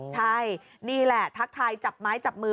ใช่นี่แหละทักทายจับไม้จับมือ